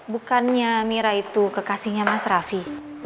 bukannya mira itu kekasihnya mas raffi